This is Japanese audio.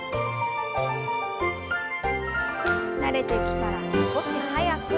慣れてきたら少し速く。